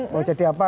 mau jadi apa